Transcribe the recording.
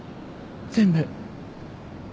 全部。